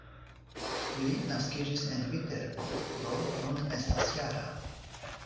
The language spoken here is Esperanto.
Li naskiĝis en Viterbo, do nun estas -jara.